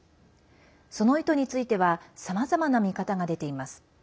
その意図についてはさまざまな見方が出ています。